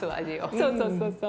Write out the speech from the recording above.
そうそうそうそう。